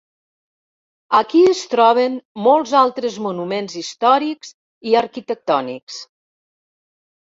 Aquí es troben molts altres monuments històrics i arquitectònics.